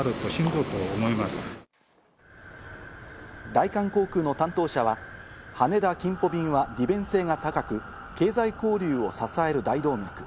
大韓航空の担当者は、羽田ーキンポ便は利便性が高く、経済交流を支える大動脈。